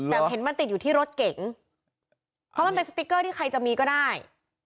แต่เห็นมันติดอยู่ที่รถเก๋งเพราะมันเป็นสติ๊กเกอร์ที่ใครจะมีก็ได้